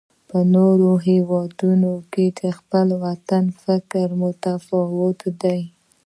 په نورو وطنونو کې د خپل وطن فکر متفاوت دی.